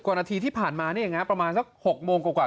๓๐กว่านาทีที่ผ่านมาเนี่ยประมาณ๖โมงกว่า